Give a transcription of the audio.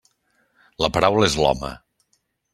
La paraula és l'home.